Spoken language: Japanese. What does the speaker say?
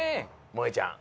もえちゃん